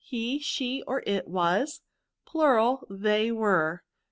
He, she, or it was. They were.